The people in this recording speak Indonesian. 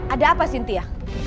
ada apa sintia